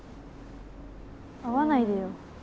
会わないでよ。